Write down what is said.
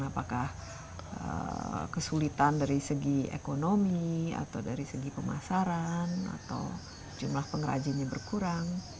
apakah kesulitan dari segi ekonomi atau dari segi pemasaran atau jumlah pengrajinnya berkurang